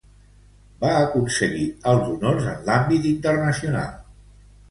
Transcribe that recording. Va aconseguir alts honors en l'àmbit internacional.